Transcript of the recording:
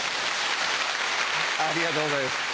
ありがとうございます。